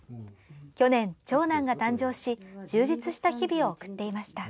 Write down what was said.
去年、長男が誕生し充実した日々を送っていました。